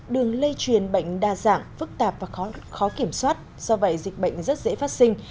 đường lây truyền bệnh đa dạng phức tạp và khó kiểm soát do vậy dịch bệnh rất dễ phát sinh